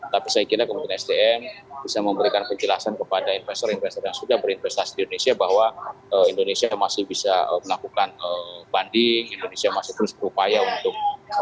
tapi saya kira kementerian sdm bisa memberikan penjelasan kepada investor investor yang sudah berinvestasi di indonesia bahwa indonesia masih bisa melakukan banding indonesia masih terus berupaya untuk